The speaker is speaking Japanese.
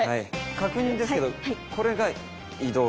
確認ですけどこれが移動基本。